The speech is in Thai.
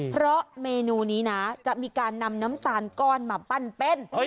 เพราะเมนูนี้นะจะมีการนำน้ำตาลก้อนมาปั้นเป็น